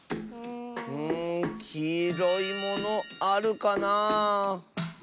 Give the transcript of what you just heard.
んきいろいものあるかなあ。